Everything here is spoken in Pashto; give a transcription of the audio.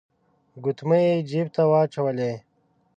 ګوتمۍ يې جيب ته واچولې.